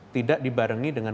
tidak di barangkan dengan